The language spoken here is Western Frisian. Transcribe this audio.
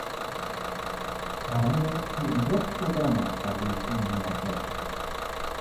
Marije hie in drok programma foar ús yninoar set.